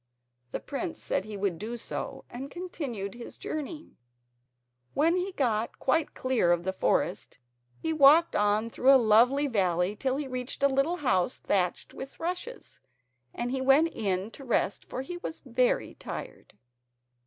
The prince said he would do so, and continued his journey. When he got quite clear of the forest he walked on through a lovely valley till he reached a little house thatched with rushes, and he went in to rest for he was very tired.